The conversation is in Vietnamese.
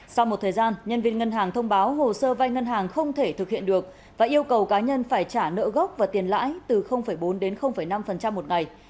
sau một thời gian nhân viên ngân hàng thông báo hồ sơ vai ngân hàng không thể thực hiện được và yêu cầu cá nhân phải trả nợ gốc và tiền lãi từ bốn đến năm một ngày